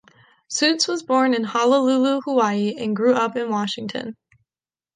Suits was born in Honolulu, Hawaii and grew up in Washington.